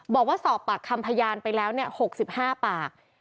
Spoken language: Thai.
บอกว่าสอบปากคำพยานไปแล้ว๖๕ปาก